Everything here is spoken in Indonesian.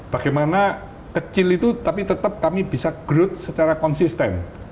bagaimana kecil itu tapi tetap kami bisa growth secara konsisten